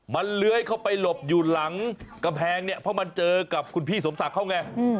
มันเลื้อยเข้าไปหลบอยู่หลังกำแพงเนี่ยเพราะมันเจอกับคุณพี่สมศักดิ์เขาไง